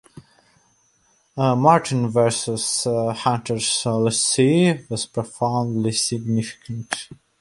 "Martin versus Hunter's Lessee" was profoundly signifiant.